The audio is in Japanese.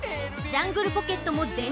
ジャングルポケットもぜんりょ